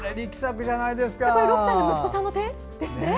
６歳の息子さんの手ですね。